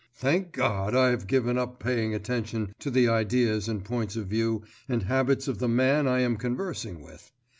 Thank God I have given up paying attention to the ideas and points of view and habits of the man I am conversing with.